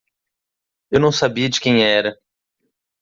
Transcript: Eu não sabia de quem era.